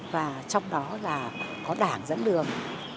và trong đó là có đảng dẫn đường